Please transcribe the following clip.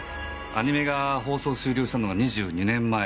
アニメが放送終了したのが２２年前。